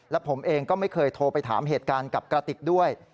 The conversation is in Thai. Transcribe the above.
และผมเองก็ไม่เคยโทรไปถามเหตุการณ์กับกระติกด้วย